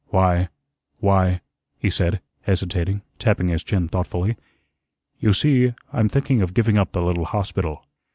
"Why why," he said, hesitating, tapping his chin thoughtfully. "You see I'm thinking of giving up the little hospital."